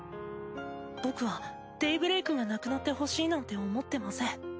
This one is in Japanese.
僕はデイブレイクがなくなってほしいなんて思ってません。